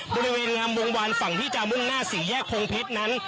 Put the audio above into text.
บริเวณงามวงวานฝั่งที่จะมุ่งหน้าสี่แยกพงเพชรนั้น